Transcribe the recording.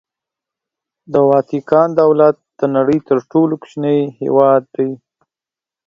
د واتیکان دولت د نړۍ تر ټولو کوچنی هېواد دی.